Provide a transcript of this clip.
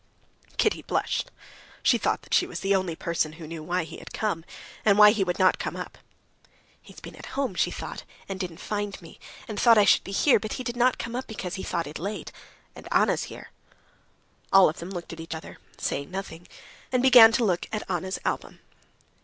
Kitty blushed. She thought that she was the only person who knew why he had come, and why he would not come up. "He has been at home," she thought, "and didn't find me, and thought I should be here, but he did not come up because he thought it late, and Anna's here." All of them looked at each other, saying nothing, and began to look at Anna's album.